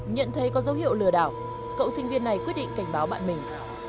nhận thấy có dấu hiệu lừa đảo cậu sinh viên này quyết định cảnh báo bạn mình